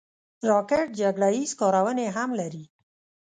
راکټ جګړه ییز کارونې هم لري